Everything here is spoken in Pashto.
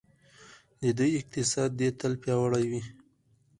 د دوی اقتصاد دې تل پیاوړی وي.